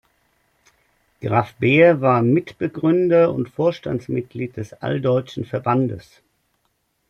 Graf Behr war Mitbegründer und Vorstandsmitglied des Alldeutschen Verbandes.